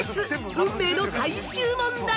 運命の最終問題！